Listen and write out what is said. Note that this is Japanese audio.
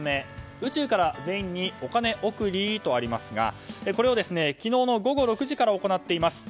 宇宙から全員にお金贈りとありますがこれを昨日の午後６時から行っています。